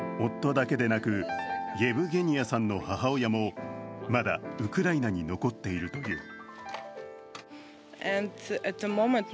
夫だけでなく、イェヴゲニヤさんの母親もまだウクライナに残っているという。